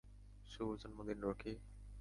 শুভ জন্মদিন, রকি।